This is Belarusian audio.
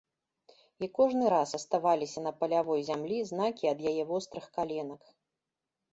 І кожны раз аставаліся на палявой зямлі знакі ад яе вострых каленак.